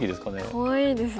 かわいいですね。